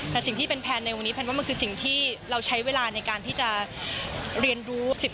แต่สิ่งที่เป็นแพลนในวันนี้แพลนว่ามันคือสิ่งที่เราใช้เวลาในการที่จะเรียนรู้